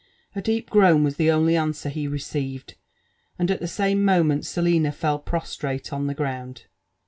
A deep groan was the only answer he received, and at the same mo ^ tnefnt Selina fell prostrate on the ground.